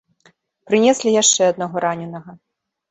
Прынеслі яшчэ аднаго раненага.